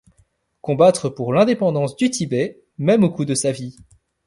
Combattre pour l’indépendance du Tibet, même au coût de sa vie.